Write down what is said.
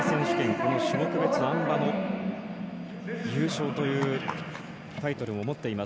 この種目別あん馬の優勝というタイトルも持っています。